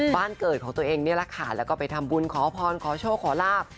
บ้านเกิดของตัวเองแล้วก็ไปทำบุญขอพรขอโชคขอลาบ